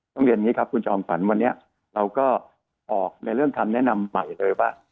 เรียนอย่างนี้ครับคุณจอมขวัญวันนี้เราก็ออกในเรื่องคำแนะนำใหม่เลยว่า